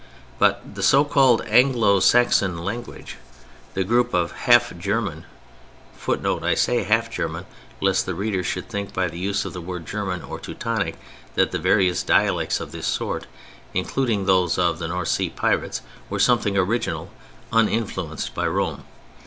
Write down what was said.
But the so called "Anglo Saxon" language—the group of half German [Footnote: I say "half German" lest the reader should think, by the use of the word "German" or "Teutonic" that the various dialects of this sort (including those of the North Sea Pirates) were something original, uninfluenced by Rome.